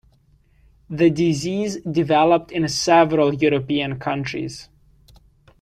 The disease developed in several European countries.